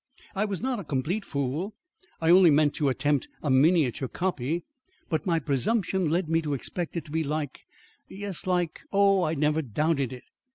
I was not a complete fool. I only meant to attempt a miniature copy, but my presumption led me to expect it to be like yes, like oh, I never doubted it!